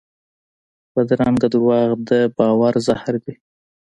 بدرنګه دروغ د باور زهر دي